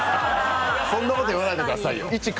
そんなこと言わないでくださいよ。